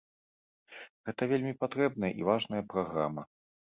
Гэта вельмі патрэбная і важная праграма.